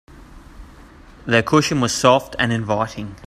The cushion was soft and inviting.